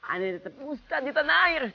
ana tetep ustadz di tanahir